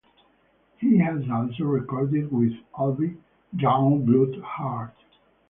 He has also recorded with Alvin "Youngblood" Hart.